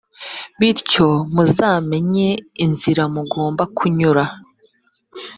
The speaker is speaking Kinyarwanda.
bityo muzamenye inzira mugomba kunyura,